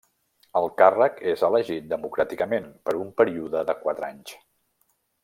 El càrrec és elegit democràticament per un període de quatre anys.